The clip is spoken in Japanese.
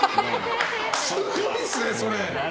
すごいっすね、それ。